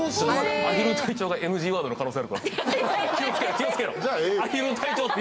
アヒル隊長がＮＧワードの可能性が。